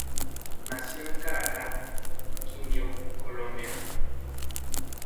Nació en Calarcá, Quindío, Colombia.